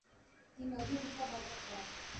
তিনি অধিবিদ্যা বর্জন করেন।